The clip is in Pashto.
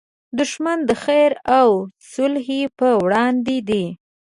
دښمن د خیر او صلحې پر وړاندې دی